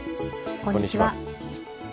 こんにちは。